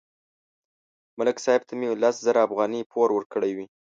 ملک صاحب ته مې لس زره افغانۍ پور ورکړې وې